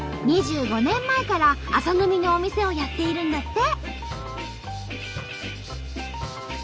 ２５年前から朝飲みのお店をやっているんだって！